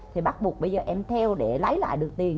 thì bắt buộc bây giờ em theo để lấy lại được tiền